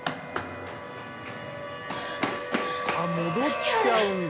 あ戻っちゃうんだ。